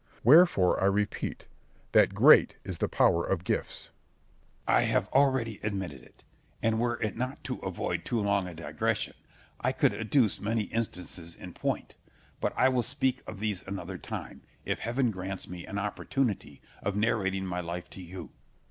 Wherefore I repeat, that great is the power of gifts. Scip. I have already admitted it; and were it not to avoid too long a digression, I could adduce many instances in point; but I will speak of these another time, if heaven grants me an opportunity of narrating my life to you.